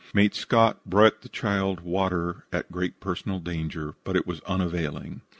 Mate Scott brought the child water at great personal danger, but it was unavailing.